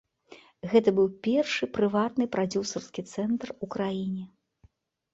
Гэты быў першы прыватны прадзюсарскі цэнтр у краіне.